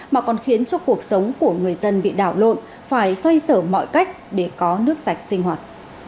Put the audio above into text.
mà còn khiến cho cuộc sống của người dân bị đảo lộn phải xoay sở mọi cách để có nước sạch sinh hoạt